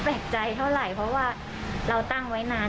แปลกใจเท่าไหร่เพราะว่าเราตั้งไว้นาน